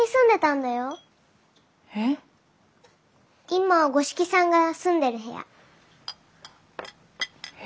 今五色さんが住んでる部屋。え？